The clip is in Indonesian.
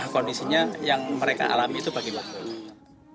kondisinya yang mereka alami itu bagaimana